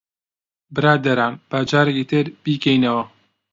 برادەران، با جارێکی تر بیکەینەوە.